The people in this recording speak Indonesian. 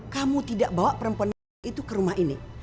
kamu tidak bawa perempuan perempuan itu ke rumah ini